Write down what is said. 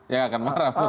ya nggak akan marah